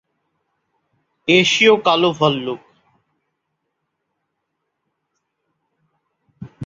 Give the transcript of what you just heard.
এশীয় কালো ভাল্লুক।